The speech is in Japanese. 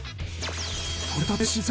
とれたて新鮮！